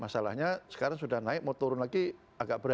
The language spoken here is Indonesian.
masalahnya sekarang sudah naik mau turun lagi agak berat